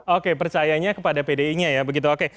oke percayanya kepada pdi nya ya begitu oke